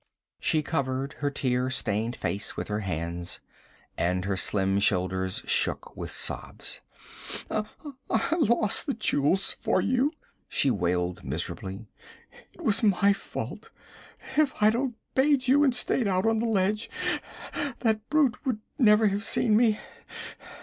She covered her tear stained face with her hands, and her slim shoulders shook with sobs. 'I lost the jewels for you,' she wailed miserably. 'It was my fault. If I'd obeyed you and stayed out on the ledge, that brute would never have seen me.